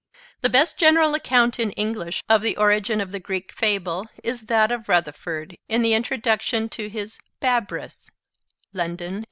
The best general account in English of the origin of the Greek Fable is that of Rutherford in the introduction to his 'Babrius' (London, 1883).